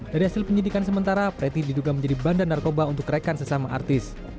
dari hasil penyidikan sementara preti diduga menjadi bandar narkoba untuk rekan sesama artis